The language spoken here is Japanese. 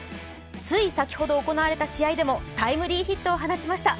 つい先ほど行われた試合でもタイムリーヒットを放ちました。